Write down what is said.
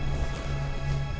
beli hal itu berubah